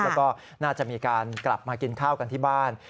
แล้วก็น่าจะมีการกลับมากินข้าวกันที่บ้าน